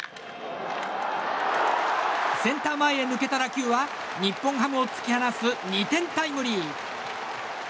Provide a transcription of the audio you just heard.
センター前へ抜けた打球は日本ハムを突き放す２点タイムリー。